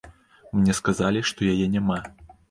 Мне сказалі, што яе няма.